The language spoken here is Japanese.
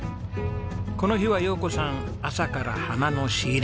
この日は陽子さん朝から花の仕入れ。